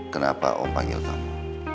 kenapa om panggil kamu